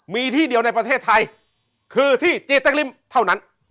มีที่เดียวในประเทศไทยคือที่จีเต็กริมเท่านั้น